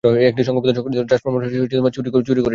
একটি সংঘবদ্ধ চক্র ট্রান্সফরমার চুরি করছে।